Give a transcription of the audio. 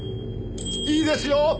いいですよ